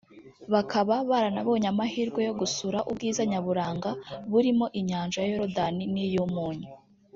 bakaba baranabonye amahirwe yo gusura ubwiza nyaburanga burimo Inyanja ya Yorodani n’iy’ Umunyu